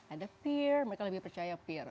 ada peer mereka lebih percaya peer